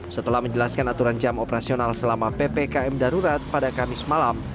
setelah menjelaskan aturan jam operasional selama ppkm darurat pada kamis malam